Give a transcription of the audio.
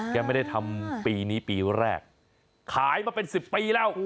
แกไม่ได้ทำปีนี้ปีแรกขายมาเป็น๑๐ปีแล้ว